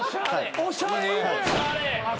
はい。